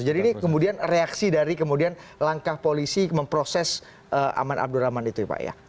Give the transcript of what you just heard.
jadi ini kemudian reaksi dari kemudian langkah polisi memproses aman abdul rahman itu pak ya